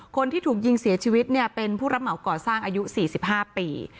คนที่ถูกยิงเสียชีวิตเนี่ยเป็นผู้รับเหมาก่อสร้างอายุ๔๕ปี